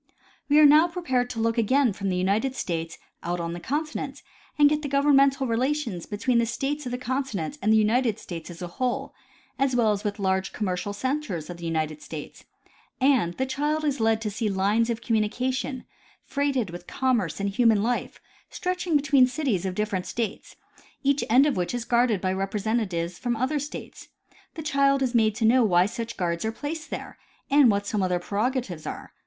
We are now prepared to look again from the United States out on the continent and get the governmental relations between the states of the continent and the United States as a whole, as well as with large commercial centers of the United States, and the child is led to see lines of communication, freighted with commerce and human life, stretching between cities of different states, each end of which is guarded by representatives from other states. The child is made to know why such guards are placed there and what some of their prerogatives are.